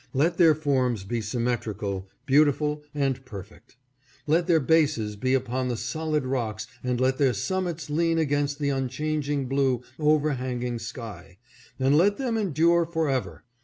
Let their forms be sym metrical, beautiful and perfect. Let their bases be upon the solid rocks and let their summits lean against the unchan ging, blue, overhanging sky, and let them endure forever